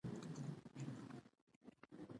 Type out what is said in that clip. اړیکې له نورو سره په مثبته توګه تړاو کې مرسته کوي.